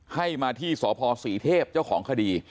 ให้มาที่สพศรีเทพเจ้าของคดี